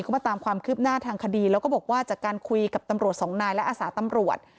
ก็มาตามความคืบหน้าทางคดีแล้วก็บอกว่าจากการคุยกับตำรวจสองนายและอาสาตำรวจ